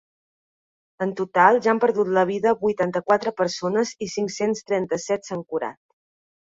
En total, ja han perdut la vida vuitanta-quatre persones i cinc-cents trenta-set s’han curat.